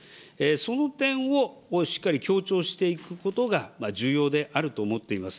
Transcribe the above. その点をしっかり強調していくことが重要であると思っております。